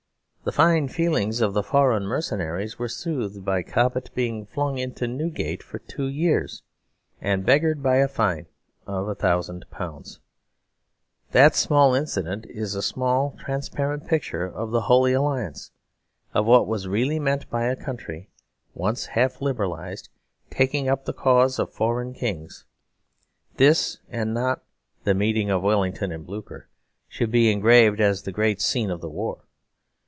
The fine feelings of the foreign mercenaries were soothed by Cobbett being flung into Newgate for two years and beggared by a fine of £1000. That small incident is a small transparent picture of the Holy Alliance; of what was really meant by a country, once half liberalised, taking up the cause of the foreign kings. This, and not "The Meeting of Wellington and Blucher," should be engraved as the great scene of the war.